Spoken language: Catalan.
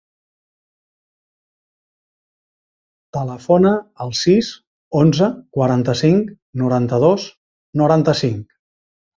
Telefona al sis, onze, quaranta-cinc, noranta-dos, noranta-cinc.